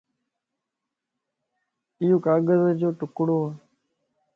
ايو ڪاغذَ جو ٽڪڙو وَ